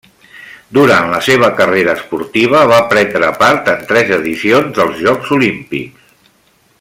Durant la seva carrera esportiva va prendre part en tres edicions dels Jocs Olímpics.